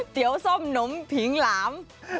เตี๋ยวส้มหนมผิงหลาม